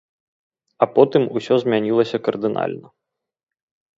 А потым усё змянілася кардынальна.